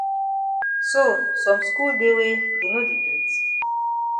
So some skul dey wey dey no di beat?